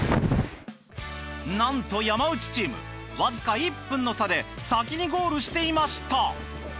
なんと山内チームわずか１分の差で先にゴールしていました！